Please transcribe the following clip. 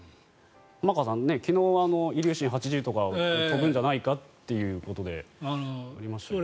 玉川さん、昨日イリューシン８０とか飛ぶんじゃないかということでしたが。